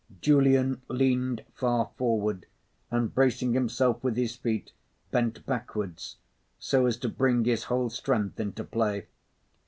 Julian leaned far forward and, bracing himself with his feet, bent backwards so as to bring his whole strength into play.